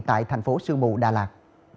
tại thành phố sương bù đà lạt